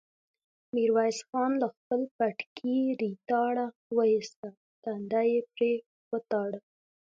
ميرويس خان له خپل پټکي ريتاړه واېسته، تندی يې پرې وتاړه.